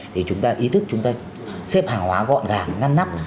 thì chúng ta ý thức chúng ta xếp hàng hóa gọn gàng ngăn nắp